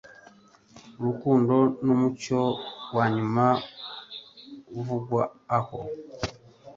Urukundo numucyo wanyuma uvugwa. Oh